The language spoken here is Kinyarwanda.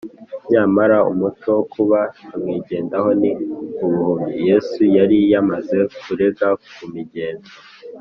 Nyamara umuco wo kuba nyamwigendaho ni ubuhumyi. Yesu yari yamaze kurenga ku migenzo